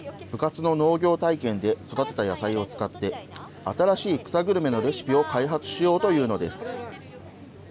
部活の農業体験で育てた野菜を使って、新しい草グルメのレシピを開発しようというのです。